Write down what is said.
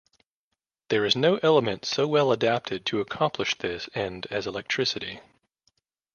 There is no element so well adapted to accomplish this end as electricity.